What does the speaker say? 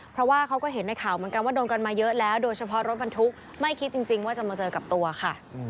เพราะว่าเขาก็เห็นในข่าวเหมือนกันว่าโดนกันมาเยอะแล้วโดยเฉพาะรถบรรทุกไม่คิดจริงว่าจะมาเจอกับตัวค่ะ